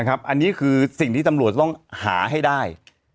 อันนี้คือสิ่งที่ตำรวจต้องหาให้ได้